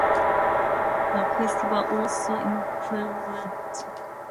The festival also includes camping options, allowing attendees to fully embrace the festival spirit.